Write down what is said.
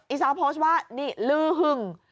อีซ้อโพสต์ว่านี่ลื้อหึง